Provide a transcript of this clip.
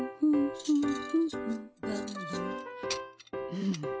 うん。